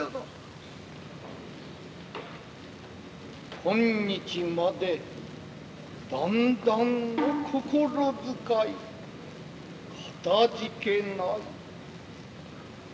今日までだんだんの心遣いかたじけない。